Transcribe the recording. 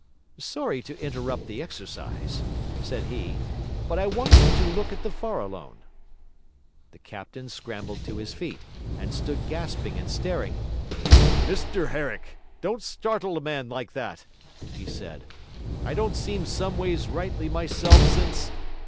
'Sorry to interrupt the exercise,' said he; 'but I want you to look at the Farallone.' The captain scrambled to his feet, and stood gasping and staring. 'Mr Herrick, don't startle a man like that!' he said. 'I don't seem someways rightly myself since...'